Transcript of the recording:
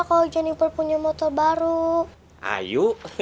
kalau jenifer punya motor baru ayo